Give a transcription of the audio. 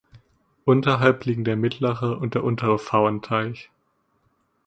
Unterhalb liegen der Mittlere und der Untere Pfauenteich.